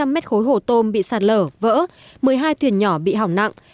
một chín trăm linh mét khối hồ tôm bị sạt lở vỡ một mươi hai thuyền nhỏ bị hỏng nặng